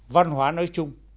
văn hóa nói chung